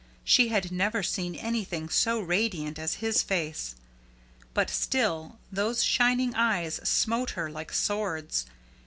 She had never seen anything so radiant as his face. But still those shining eyes smote her like swords.